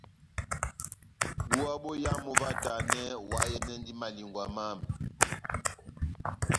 Búwa boyamu óvahtanɛ, oháyɛnɛndi malingwa mámi.